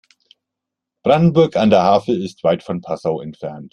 Brandenburg an der Havel ist weit von Passau entfernt